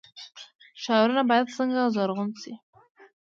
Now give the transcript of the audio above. ښارونه باید څنګه زرغون شي؟